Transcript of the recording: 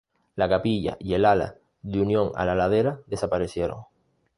La capilla y el ala de unión a la ladera desaparecieron.